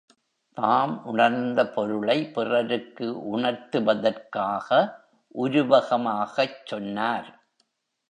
தாம் உணர்ந்த பொருளை பிறருக்கு உணர்த்துவதற்காக உருவகமாகச் சொன்னார்.